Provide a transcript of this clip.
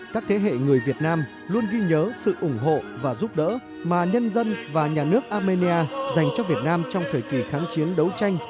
các thế hệ người việt nam luôn ghi nhớ sự ủng hộ và giúp đỡ mà nhân dân và nhà nước armenia dành cho việt nam trong thời kỳ kháng chiến đấu tranh